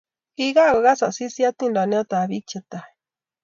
Kikakokas Asisi hatindonikab bik che tai